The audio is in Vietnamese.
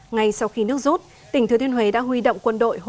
ngay sau khi nước rút tỉnh thừa thiên huế đã huy động quân đội